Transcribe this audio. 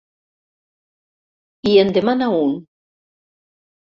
I en demana un.